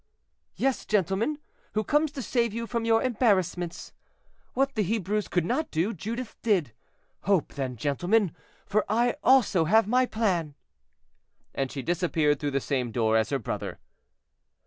"Yes, gentlemen; who comes to save you from your embarrassments. What the Hebrews could not do, Judith did; hope, then, gentlemen, for I also have my plan;" and she disappeared through the same door as her brother.